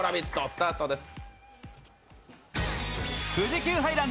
スタートです。